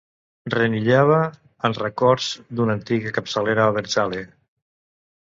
Renillava en records d'una antiga capçalera abertzale.